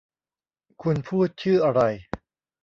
คุณพูดชื่ออะไร